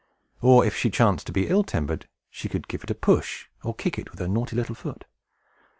Or, if she chanced to be ill tempered, she could give it a push, or kick it with her naughty little foot.